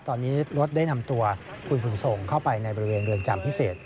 ตอนนี้รถได้นำตัวคุณบุญส่งเข้าไปในบริเวณเรือนจำพิเศษ